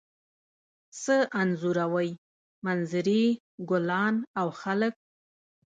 څه انځوروئ؟ منظرې، ګلان او خلک